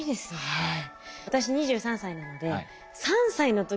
はい。